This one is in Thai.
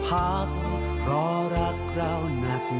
ท่านไม่เคยหยุดพักเพราะรักเราหนักหนา